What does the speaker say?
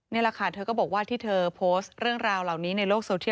นี่แหละค่ะเธอก็บอกว่าที่เธอโพสต์เรื่องราวเหล่านี้ในโลกโซเทีย